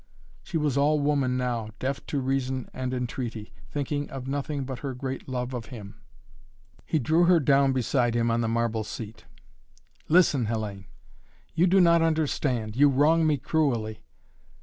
She was all woman now, deaf to reason and entreaty, thinking of nothing but her great love of him. He drew her down beside him on the marble seat. "Listen, Hellayne! You do not understand you wrong me cruelly.